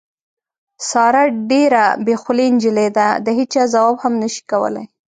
ساره ډېره بې خولې نجیلۍ ده، د هېچا ځواب هم نشي کولی.